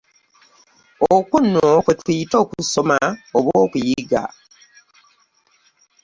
Okwo nno kwe tuyita okusoma oba okuyiga.